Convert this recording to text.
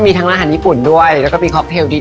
มีทั้งร้านหันญี่ปุ่นด้วยแล้วก็มีคอปเตลดี